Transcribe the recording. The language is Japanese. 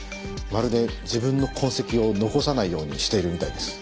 まるで自分の痕跡を残さないようにしているみたいです。